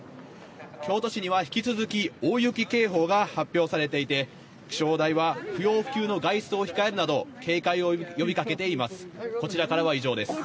京都市には引き続き大雪警報が発表されていて、気象台は不要不急の外出を控えるなど警戒を呼びかけています。